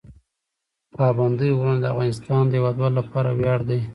پابندی غرونه د افغانستان د هیوادوالو لپاره ویاړ دی.